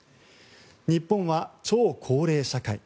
日本は超高齢社会。